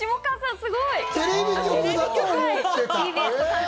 すごい。